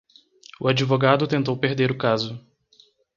O advogado tentou perder o caso.